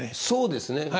そうですね。